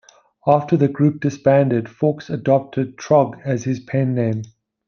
After the group disbanded Fawkes adopted 'Trog' as his pen-name.